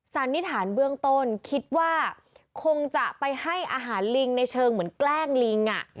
สันนิษฐานเบื้องต้นคิดว่าคงจะไปให้อาหารลิงในเชิงเหมือนแกล้งลิง